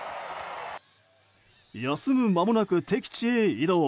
休む間もなく敵地へ移動。